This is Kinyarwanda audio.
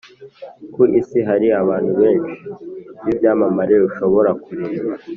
Ku isi hari abantu benshi b ibyamamare ushobora kureba